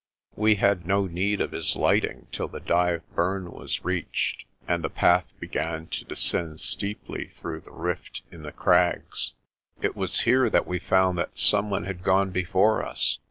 We had no need of his lighting till the Dyve Burn was reached and the path began to descend steeply through the rift in the crags. It was here we found that some one had gone before us.